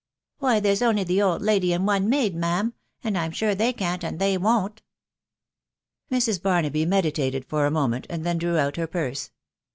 « Why, thereV<mly die old lady and one maid, ma!attl, and I'm sure they eaa> fc an* Aey Wn V* Mrs* Barnaby meditated for a moment, and then tew out her purse.